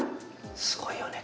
すごいよね